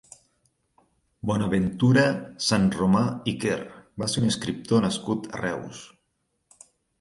Bonaventura Sanromà i Quer va ser un escriptor nascut a Reus.